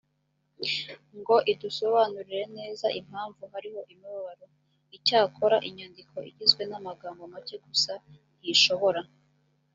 ngo idusobanurire neza impamvu hariho imibabaro icyakora inyandiko igizwe n amagambo make gusa ntishobora